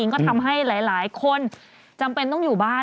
ก็ทำให้หลายคนจำเป็นต้องอยู่บ้าน